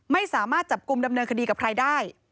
ไม่สามารถจับกลุ่มดำเนินคดีกับใครได้